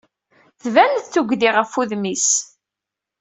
Tban-d tuggdi ɣef wudem-is.